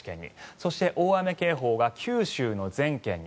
そして、大雨警報が九州の全県に。